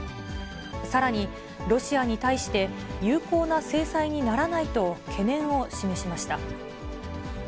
さらに、ロシアに対して有効な制裁にならないと懸念を示しました。